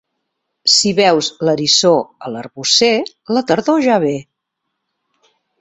Si veus l'eriçó a l'arbocer, la tardor ja ve.